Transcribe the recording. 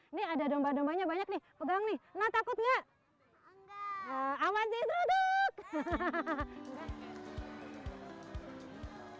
ini ada domba dombanya banyak nih pegang nih nah takut nggak aman sih duduk